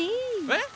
えっ！？